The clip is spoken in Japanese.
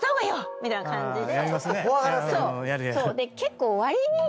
みたいな感じで。